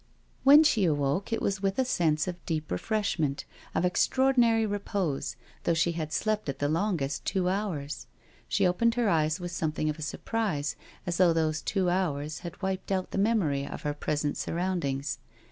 When she awoke it was with a sense of deep re freshment, of extraordinary repose, though she had slept at the longest two hours. She opened her eyes with something of surprise, as though those two hours had wiped out the memory of her present surroundings.